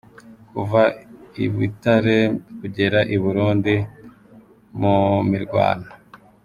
Kuva i Bitare kugera i Burundi mu mirwano.